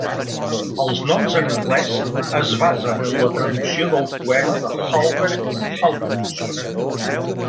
Els noms en anglès es basen en la traducció del poema de Hallberg Hallmundsson.